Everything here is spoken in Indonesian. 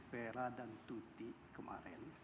vera dan tuti kemarin